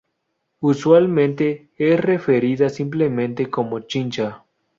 Usualmente es referida simplemente como Chincha.